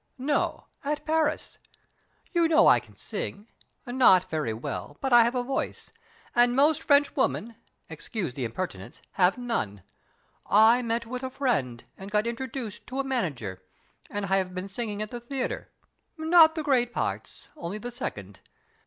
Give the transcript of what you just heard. "No; at Paris. You know I can sing not very well; but I have a voice, and most Frenchwomen (excuse the impertinence) have none. I met with a friend, and got introduced to a manager; and I have been singing at the theater not the great parts, only the second.